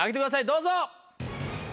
どうぞ。